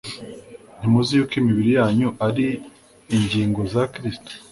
ntimuzi yuko imibiri yanyu ari ingingo za kristo